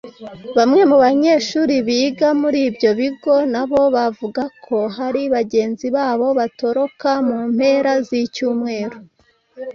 Bamwe mu banyeshuri biga muri ibyo bigo nabo bavuga ko hari bagenzi babo batoroka mu mpera z’icyumweru